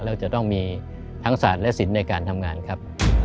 เราจะต้องมีทั้งศาสตร์และศิลป์ในการทำงานครับ